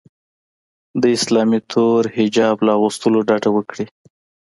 د اسلامي تور حجاب له اغوستلو ډډه وکړي